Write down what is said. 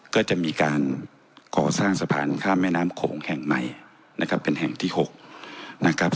ก็จะมีการก่อสร้างสะพานข้ามแม่น้ำโขงแห่งใหม่นะครับเป็นแห่งที่๖นะครับ